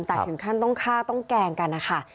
แต่ถึงขั้นต้องฆ่าต้องแกล้งกันนะคะ